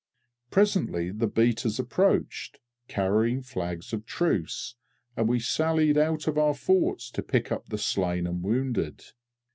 Presently the beaters approached, carrying flags of truce, and we sallied out of our forts to pick up the slain and wounded.